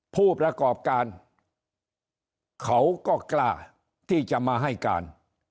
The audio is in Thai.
ผู้ประกอบการเขาก็กล้าที่จะมาให้การ